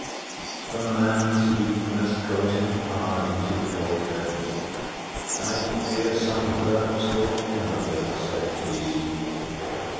The man's weakness caught him hard, and he faltered. "I fear some hurt will come of it," said he.